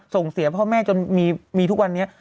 ส่งเสียพ่อแม่จนมีทุกวันนี้